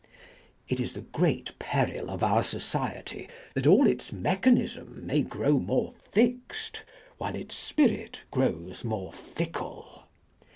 It is the great peril of our society that all its mechanism may grow more fixed while its spirit grows more fickle.